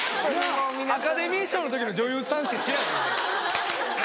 アカデミー賞の時の女優さんしかしない。